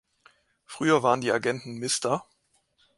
Früher waren die Agenten Mr.